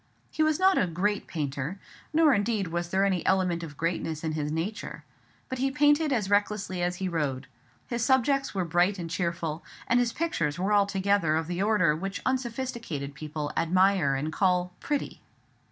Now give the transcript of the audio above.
He was not a great painter, nor indeed was there any element of greatness in his nature; but he painted as recklessly as he rode; his subjects were bright and cheerful; and his pictures were altogether of the order which unsophisticated people admire and call "pretty."